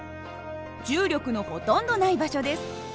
重力のほとんどない場所です。